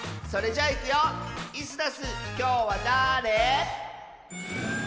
きょうはだれ？